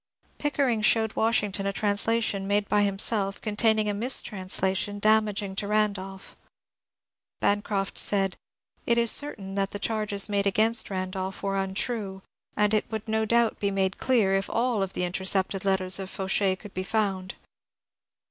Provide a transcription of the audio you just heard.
Pickering showed Washington a translation made by himself containing a mistranslation damaging to Randolph. Bancroft said, ^^ It is certain that the charges made against Randolph were untrue, and it would no doubt be made clear if all of the intercepted letters of Fauchet could be found.